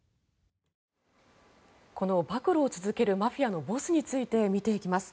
この暴露を続けるマフィアのボスについて見ていきます。